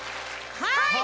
はい！